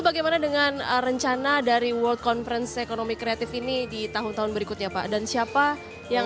bagaimana dengan rencana dari world conference ekonomi kreatif ini di tahun tahun berikutnya pak dan siapa yang